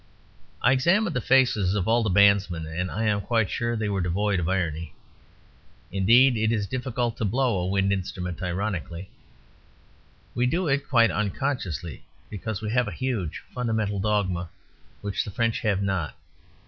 I examined the faces of all the bandsmen; and I am sure they were devoid of irony: indeed, it is difficult to blow a wind instrument ironically. We do it quite unconsciously; because we have a huge fundamental dogma, which the French have not.